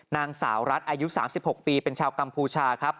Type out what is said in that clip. นางสาวรัฐอายุ๓๖ปีเป็นชาวกัมพูชาครับ